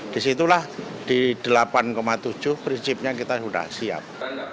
disitulah di delapan tujuh prinsipnya kita sudah siap